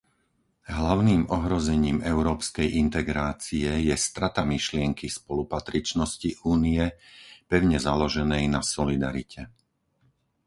Hlavným ohrozením európskej integrácie je strata myšlienky spolupatričnosti Únie, pevne založenej na solidarite.